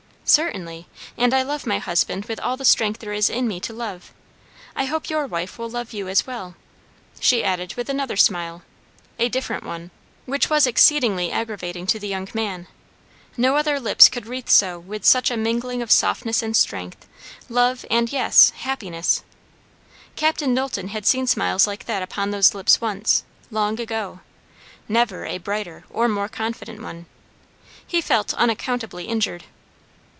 "Certainly. And I love my husband with all the strength there is in me to love. I hope your wife will love you as well," she added with another smile, a different one, which was exceedingly aggravating to the young man. No other lips could wreathe so with such a mingling of softness and strength, love, and yes, happiness. Captain Knowlton had seen smiles like that upon those lips once, long ago; never a brighter or more confident one. He felt unaccountably injured.